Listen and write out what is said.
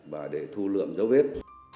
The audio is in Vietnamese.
và để thu lượm dấu viết